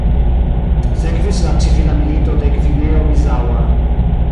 Sekvis la Civila Milito de Gvineo-Bisaŭa.